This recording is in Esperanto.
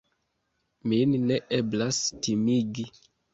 Min ne eblas timigi.